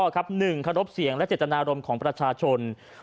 ๑โครบเสียงและเศรษฐนารมณ์ของประชาชน